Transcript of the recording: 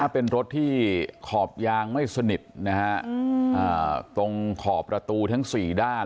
ถ้าเป็นรถที่ขอบยางไม่สนิทนะฮะอืมอ่าตรงขอบประตูทั้งสี่ด้าน